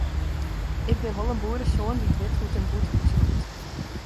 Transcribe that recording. Ik bin wol in boeresoan dy't wit hoe't in bûthús rûkt.